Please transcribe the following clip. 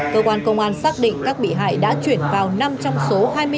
cơ quan công an xác định các bị hại đã chuyển vào năm trong số hai mươi bốn trang web